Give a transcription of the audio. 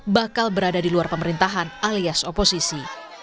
bakal berada di luar pemerintahan alias oposisi